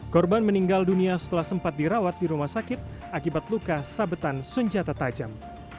korban meninggal dunia setelah sempat dirawat di rumah sakit akibat luka sabetan senjata tajam